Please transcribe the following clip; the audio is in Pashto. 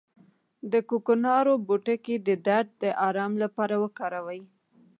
د کوکنارو پوټکی د درد د ارام لپاره وکاروئ